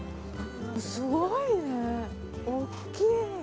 すごいね、大きい！